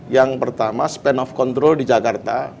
yang pertama span of control di jakarta